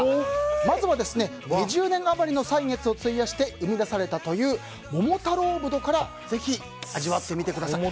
まずは２０年余りの歳月を費やして生み出されたという桃太郎ぶどうからぜひ味わってみてください。